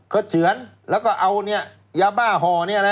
เขาเฉือนแล้วก็เอายาบ้าฮอ